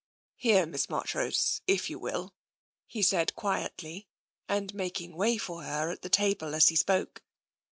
" Here, Miss Marchrose, if you will," he said quietly, and making way for her at the table as he spoke.